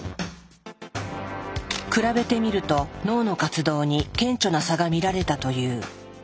比べてみると脳の活動に顕著な差が見られたという。